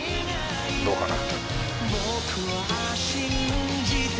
どうかな。